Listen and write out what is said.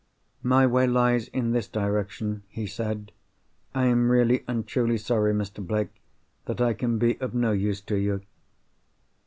"My way lies in this direction," he said. "I am really and truly sorry, Mr. Blake, that I can be of no use to you."